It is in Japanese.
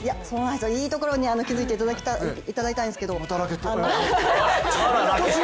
いいところに気付いていただいたんですけれども。